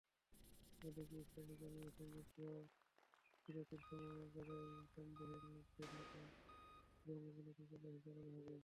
এদিকে ইসরায়েল জানিয়েছে, যুদ্ধবিরতির সময়ও গাজায় সন্দেহের মধ্যে থাকা সুড়ঙ্গগুলোতে তল্লাশি চালানো হবে।